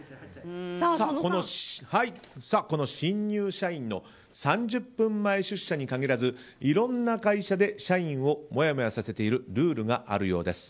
この新入社員の３０分前出社に限らずいろんな会社で社員をもやもやさせているルールがあるようです。